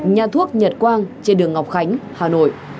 nhà thuốc nhật quang trên đường ngọc khánh hà nội